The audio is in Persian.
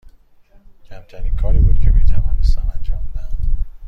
کمترین کاری بود که می توانستم انجام دهم.